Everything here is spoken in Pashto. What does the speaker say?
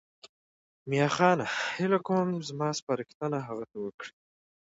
میاخانه هیله کوم زما سپارښتنه هغه ته وکړه.